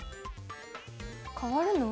変わるの？